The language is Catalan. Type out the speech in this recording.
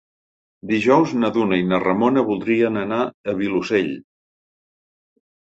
Dijous na Duna i na Ramona voldrien anar al Vilosell.